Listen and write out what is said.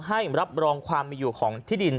ให้รับรองความมีอยู่ของที่ดิน